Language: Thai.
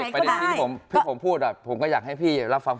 ประเด็นที่ผมพูดผมก็อยากให้พี่รับฟัง